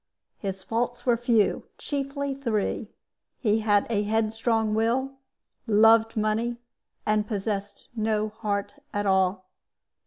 His faults were few, and chiefly three he had a headstrong will, loved money, and possessed no heart at all.